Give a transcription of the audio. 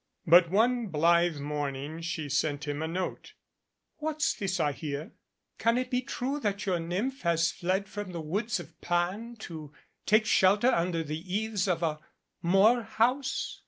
But one blithe morning she sent him a note : What's this I hear? Can it be true that your nymph has fled from the woods of Pan to take shelter under the eaves of a Morehouse?